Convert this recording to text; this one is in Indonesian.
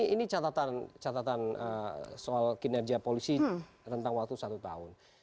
ini catatan soal kinerja polisi tentang waktu satu tahun